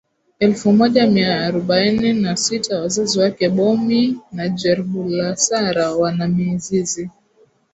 Elfu moja mia arobaini na sita Wazazi wake Bomi na Jer Bulasara wana mizizi